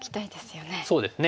そうですね。